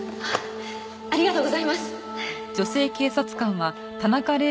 ありがとうございます！